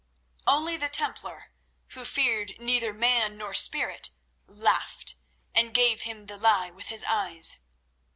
Only the Templar, who feared neither man nor spirit, laughed, and gave him the lie with his eyes.